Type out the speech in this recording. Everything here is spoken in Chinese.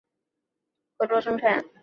目前由奇异公司和东芝合作生产。